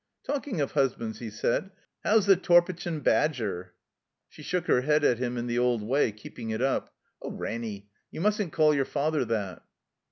''Talking of husbands," he said, "how's the Tor pichen Badger?" She shook her head at him in the old way; keep ing it up. "Oh, Ranny, you mustn't call your father that."